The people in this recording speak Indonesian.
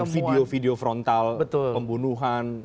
video video frontal pembunuhan